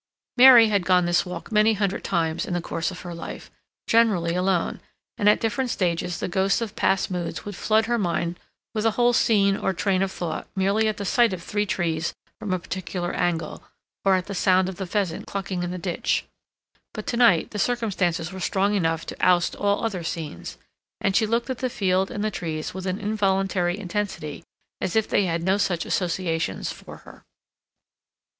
Mary had gone this walk many hundred times in the course of her life, generally alone, and at different stages the ghosts of past moods would flood her mind with a whole scene or train of thought merely at the sight of three trees from a particular angle, or at the sound of the pheasant clucking in the ditch. But to night the circumstances were strong enough to oust all other scenes; and she looked at the field and the trees with an involuntary intensity as if they had no such associations for her.